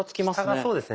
そうですね。